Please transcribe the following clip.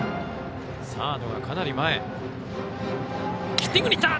ヒッティングに行った！